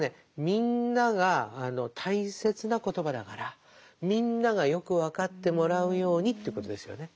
みんなが大切な言葉だからみんながよく分かってもらうようにということですよね。